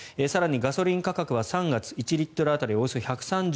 更に、ガソリン価格は３月１リットル当たりおよそ１３２円